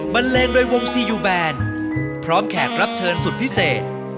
เลงโดยวงซียูแบนพร้อมแขกรับเชิญสุดพิเศษ